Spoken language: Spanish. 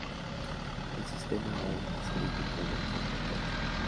El sistema aún es crítico en estas fronteras.